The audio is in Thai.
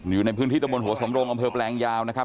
อยู่ในพื้นที่ตระบวนโหสมโลงอำเภบแหลงยาวนะครับ